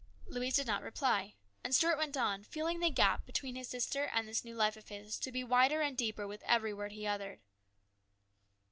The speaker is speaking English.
Louise did not reply, and Stuart went on, feeling the gap between his sister and this new life of his to be wider and deeper with every word he uttered.